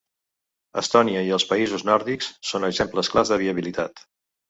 Estònia i els països nòrdics són exemples clars de viabilitat.